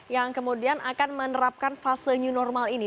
yang kemudian akan menerapkan fase new normal ini